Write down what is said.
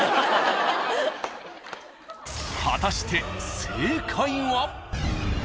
［果たして正解は］